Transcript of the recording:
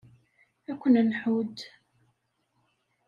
Ad ken-nḥudd.